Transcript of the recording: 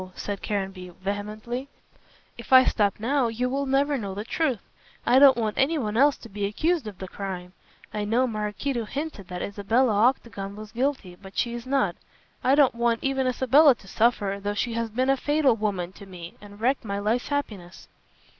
said Caranby, vehemently; "if I stop now you will never know the truth. I don't want anyone else to be accused of the crime. I know Maraquito hinted that Isabella Octagon was guilty, but she is not. I don't want even Isabella to suffer, though she has been a fatal woman to me and wrecked my life's happiness."